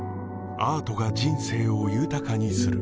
アートが人生を豊かにする